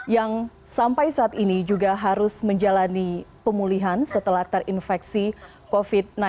yang sampai saat ini juga harus menjalani pemulihan setelah terinfeksi covid sembilan belas